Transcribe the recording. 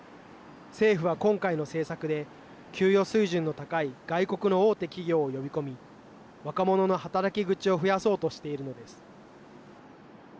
政府は今回の政策で給与水準の高い外国の大手企業を呼び込み若者の働き口を増やそうとしているのです。